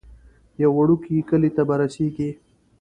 یو وړوکی کلی ته به رسیږئ.